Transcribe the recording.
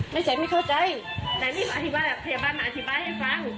ไม่ใช่ไม่เข้าใจแต่นี่มาพยาบาลมาอธิบายให้ฟัง